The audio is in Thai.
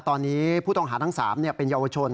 ตอนนี้ผู้ต้องหาทั้ง๓เป็นเยาวชน